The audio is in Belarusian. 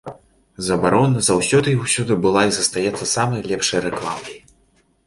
Забарона заўсёды і ўсюды была і застаецца самай лепшай рэкламай.